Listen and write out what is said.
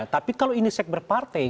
tapi kalau ini sekber partai